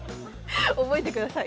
覚えてください。